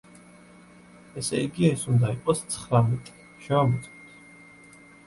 ესე იგი, ეს უნდა იყოს ცხრამეტი, შევამოწმოთ.